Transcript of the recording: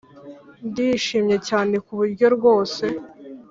ndishimye cyane kuburyo rwose